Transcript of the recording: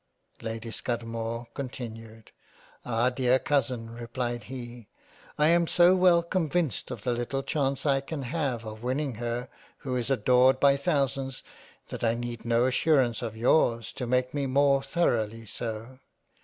Lady Scudamore continued. " Ah dear Cousin replied he, I am so well convinced of the little Chance I can have of winning her who is adored by thousands, that I need no assurances of yours to make me more thoroughly so.